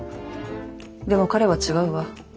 でも彼は違うわ。